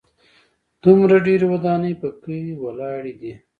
دومره ډېرې ودانۍ په کې ولاړې دي.